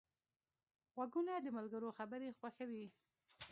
غوږونه د ملګرو خبرې خوښوي